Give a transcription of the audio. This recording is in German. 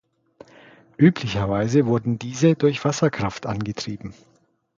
Üblicherweise wurden diese durch Wasserkraft angetrieben.